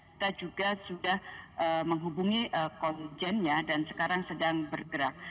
kita juga sudah menghubungi konjennya dan sekarang sedang bergerak